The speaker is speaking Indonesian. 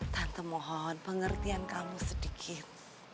tante mohon pengertian kamu sedikit